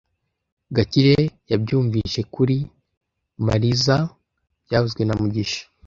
Gakire yabyumvise kuri Marizoa byavuzwe na mugisha